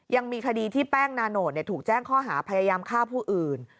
ยังมีคดีที่แป้งนาโนตถูกแจ้งข้อหาพยายามฆ่าผู้อื่น